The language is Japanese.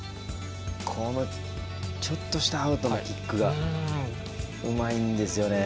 ちょっとしたアウトのキックがうまいんですよね。